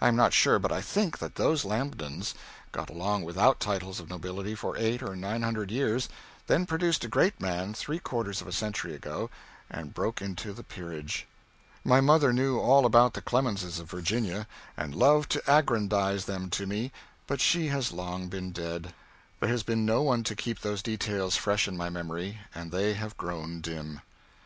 I am not sure, but I think that those Lambtons got along without titles of nobility for eight or nine hundred years, then produced a great man, three quarters of a century ago, and broke into the peerage. My mother knew all about the Clemenses of Virginia, and loved to aggrandize them to me, but she has long been dead. There has been no one to keep those details fresh in my memory, and they have grown dim.